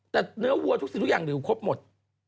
แต่เนื้อวัวทุกสิ่งทุกอย่างหลิวครบหมด